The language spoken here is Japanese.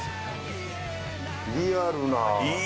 リアルな。